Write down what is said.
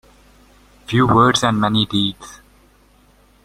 Few words and many deeds.